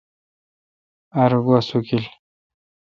ار گوا سوکیل۔